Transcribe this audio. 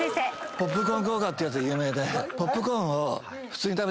ポップコーン効果ってやつ有名で。